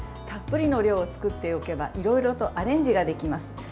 たっぷりの量を作っておけばいろいろとアレンジができます。